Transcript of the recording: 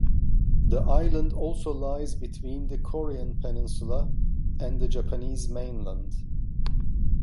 The island also lies between the Korean Peninsula and the Japanese mainland.